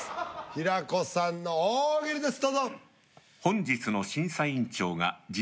平子さんの大喜利ですどうぞ。